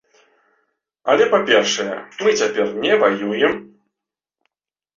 Але, па-першае, мы цяпер не ваюем.